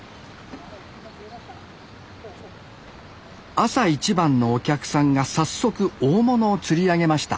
朝一番のお客さんが早速大物を釣り上げました